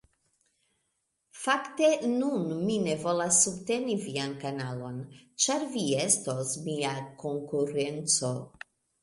Fakte nun mi ne volas subteni vian kanalon ĉar vi estos mia konkurenco